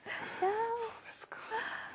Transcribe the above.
そうですか。